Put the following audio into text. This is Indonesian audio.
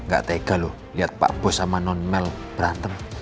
gak tega lu lihat pak bos sama nonmel berantem